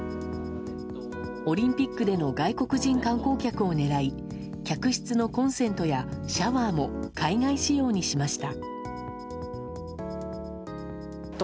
オリンピックでの外国人観光客を狙い客室のコンセントやシャワーも海外仕様にしました。